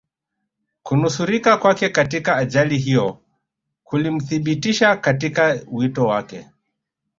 kunusurika kwake katika ajali hiyo kulimthibitisha katika wito wake